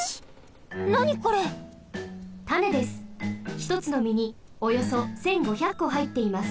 ひとつのみにおよそ１，５００こはいっています。